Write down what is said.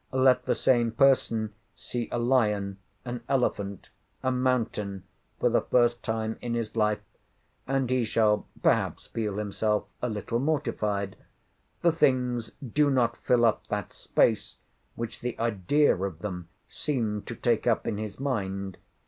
Let the same person see a lion, an elephant, a mountain, for the first time in his life, and he shall perhaps feel himself a little mortified. The things do not fill up that space, which the idea of them seemed to take up in his mind.